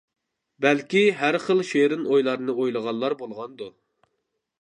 بەلكى ھەر خىل شېرىن ئويلارنى ئويلىغانلار بولغاندۇ.